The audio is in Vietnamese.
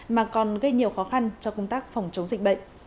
mà còn gây nhiều khó khăn cho công tác phòng chống dịch bệnh